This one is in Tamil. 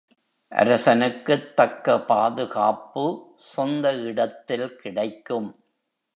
அரசனுக்குத் தக்க பாதுகாப்பு, சொந்த இடத்தில் கிடைக்கும்.